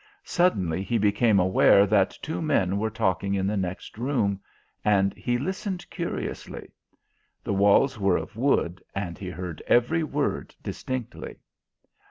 Suddenly he became aware that two men were talking in the next room, and he listened curiously. The walls were of wood, and he heard every word distinctly.